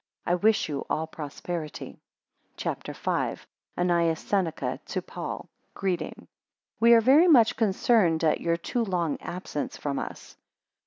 I wish you all prosperity. CHAPTER V. ANNAEUS SENECA to PAUL Greeting. WE are very much concerned at your too long absence from us.